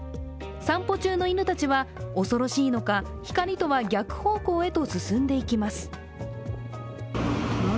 散歩中の犬たちは恐ろしいのか光とは逆方向へと進んでいきます。